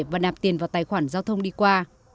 và nạp tiền vào tài khoản giao thông đi qua